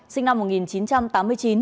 sinh năm một nghìn chín trăm tám mươi chín